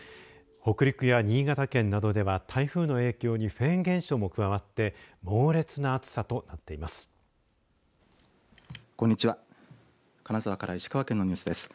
北陸や新潟県などでは台風の影響にフェーン現象も加わって猛烈な暑さとなっています。